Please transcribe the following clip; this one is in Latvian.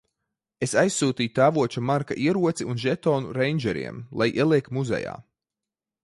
Es aizsūtīju tēvoča Marka ieroci un žetonu reindžeriem - lai ieliek muzejā.